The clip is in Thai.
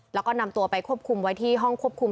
แล้วก็นำตัวไปควบคุมไว้ที่ห้องควบคุม